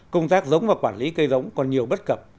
công tác giống và quản lý cây giống còn nhiều bất cập